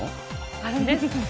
あるんです。